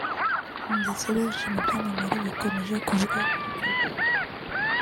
ndetse benshi mu byamamare bakomeje kuvuga ku rupfu rwe